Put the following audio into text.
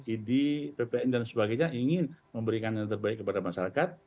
idi ppn dan sebagainya ingin memberikan yang terbaik kepada masyarakat